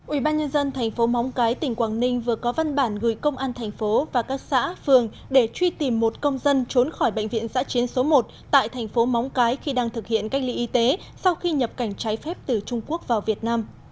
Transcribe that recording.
ubnd tp móng cái tỉnh quảng ninh vừa có văn bản gửi công an thành phố và các xã phường để truy tìm một công dân trốn khỏi bệnh viện giã chiến số một tại thành phố móng cái khi đang thực hiện cách ly y tế sau khi nhập cảnh trái phép từ trung quốc vào việt nam